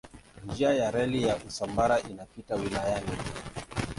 Njia ya reli ya Usambara inapita wilayani.